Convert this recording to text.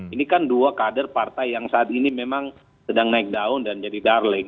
ini kan dua kader partai yang saat ini memang sedang naik daun dan jadi darling